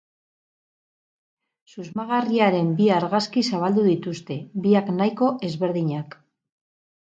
Susmagarriaren bi argazki zabaldu dituzte, biak nahiko ezberdinak.